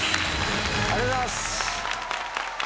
ありがとうございます。